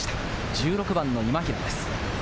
１６番の今平です。